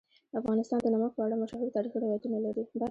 افغانستان د نمک په اړه مشهور تاریخی روایتونه لري.